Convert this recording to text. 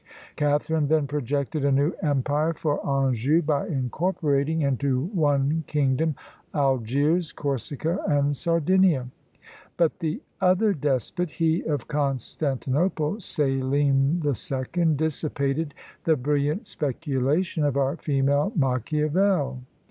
Catharine then projected a new empire for Anjou, by incorporating into one kingdom Algiers, Corsica, and Sardinia; but the other despot, he of Constantinople, Selim the Second, dissipated the brilliant speculation of our female Machiavel.